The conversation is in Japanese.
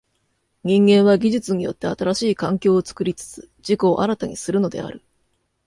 人間は技術によって新しい環境を作りつつ自己を新たにするのである。